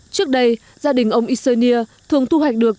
trước đây gia đình ông isenia thường thu hoạch đồn